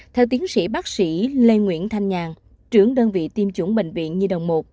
theo tiến sĩ bác sĩ lê nguyễn thanh nhàn trưởng đơn vị tiêm chủng bệnh viện nhi đồng một